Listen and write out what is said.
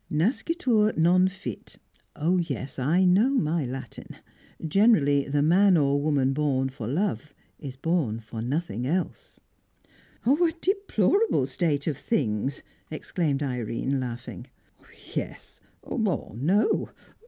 Nascitur non fit oh yes, I know my Latin. Generally, the man or woman born for love is born for nothing else." "A deplorable state of things!" exclaimed Irene, laughing. "Yes or no.